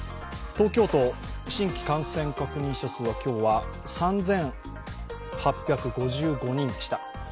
東京都、新規感染確認者数は今日は３８５５人でした。